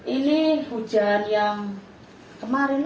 ini hujan yang kemarin